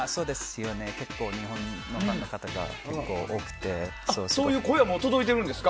結構、日本のファンの方々が多くてそういう声も、タイに届いているんですか？